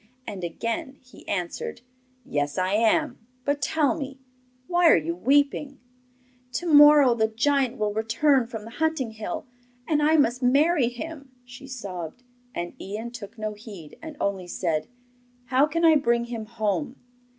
And again he answered: 'Yes, I am; but tell me, why are you weeping?' 'To morrow the giant will return from the hunting hill, and I must marry him,' she sobbed. And Ian took no heed, and only said: 'How can I bring him home?